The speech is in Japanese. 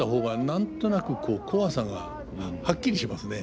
何となくコワさがはっきりしますね。